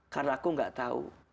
karena aku tidak tahu